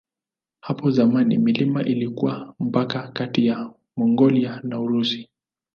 Hapo zamani milima ilikuwa mpaka kati ya Mongolia na Urusi.